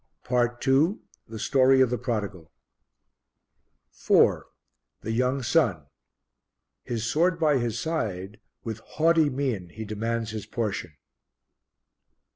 PART II The Story of the Prodigal 4. The Young Son. His sword by his side, with haughty mien he demands his portion.